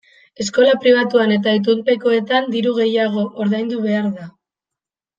Eskola pribatuan eta itunpekoetan diru gehiago ordaindu behar da.